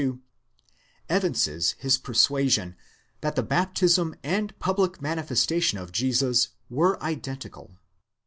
22), evinces his persuasion that the baptism and public manifestation of Jesus were identical.